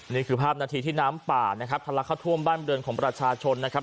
นี่คือภาพนาทีที่น้ำป่านะครับทะลักเข้าท่วมบ้านบริเวณของประชาชนนะครับ